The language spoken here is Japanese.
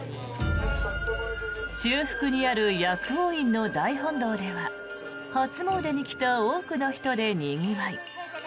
中腹にある薬王院の大本堂では初詣に来た多くの人でにぎわい。